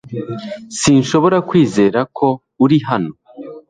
Sinshobora kwizera ko uri hano